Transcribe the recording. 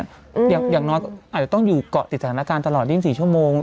อย่างน้อยก็อาจจะต้องก็ติดสถานาการณ์ตลอดจนสี่ชั่วโมง